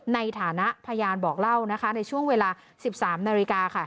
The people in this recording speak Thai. ในฐานะพยานบอกเล่านะคะในช่วงเวลา๑๓นาฬิกา